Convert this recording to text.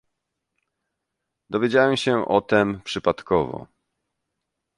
"Dowiedziałem się o tem przypadkowo."